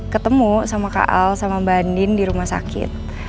ketemu sama kak al sama bandin di rumah sakit